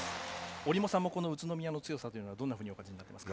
折茂さんも宇都宮の強さはどんなふうにお感じになっていますか。